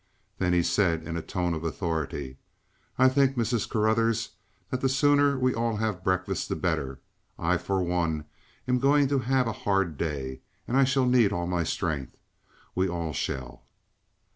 Then he said in a tone of authority: "I think, Mrs. Carruthers, that the sooner we all have breakfast the better. I for one am going to have a hard day, and I shall need all my strength. We all shall."